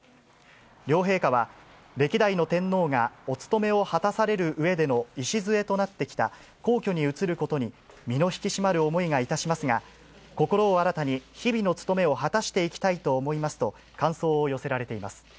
両陛下は、歴代の天皇がお務めを果たされるうえでの礎となってきた皇居に移ることに身の引き締まる思いがいたしますが、心を新たに日々の務めを果たしていきたいと思いますと、感想を寄せられています。